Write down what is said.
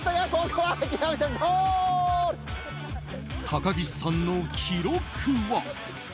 高岸さんの記録は。